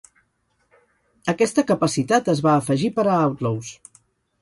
Aquesta capacitat es va afegir per a "Outlaws".